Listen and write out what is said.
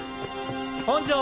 本庄！